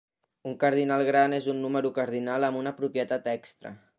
Un cardinal gran és un número cardinal amb una propietat extra.